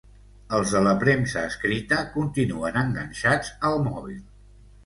Els de la premsa escrita continuen enganxats al mòbil.